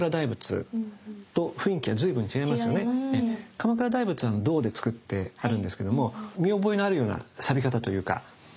鎌倉大仏は銅でつくってあるんですけども見覚えのあるようなさび方というか。